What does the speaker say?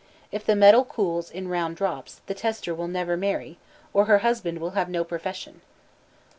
If the metal cools in round drops, the tester will never marry, or her husband will have no profession.